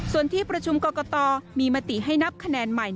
ส่วนที่ประชุมกรกตมีมติให้นับคะแนนใหม่